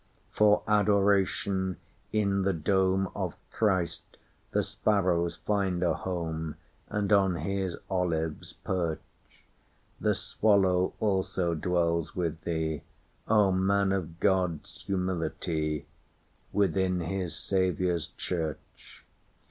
For Adoration, in the domeOf CHRIST, the sparrows find a home; And on his olives perch:The swallow also dwells with theeO Man of GOD'S humility, Within his Saviour's Church.